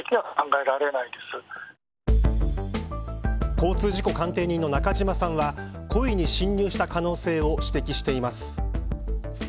交通事故鑑定人の中島さんは故意に進入した可能性を指摘しています。